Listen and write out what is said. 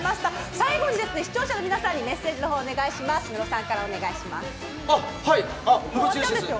最後に視聴者の皆さんにメッセージをお願いします、ムロさん。